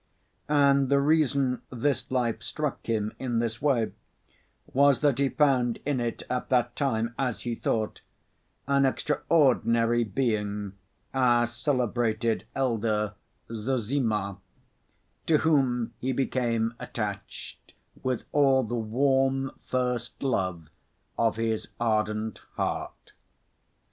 And the reason this life struck him in this way was that he found in it at that time, as he thought, an extraordinary being, our celebrated elder, Zossima, to whom he became attached with all the warm first love of his ardent heart.